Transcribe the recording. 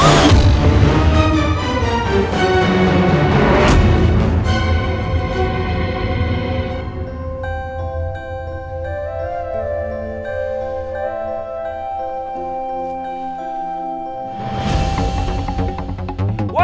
eh turun kamu